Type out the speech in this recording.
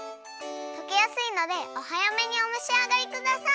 とけやすいのでおはやめにおめしあがりください。